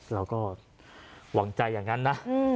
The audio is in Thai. เราก็หวังใจอย่างนั้นนะ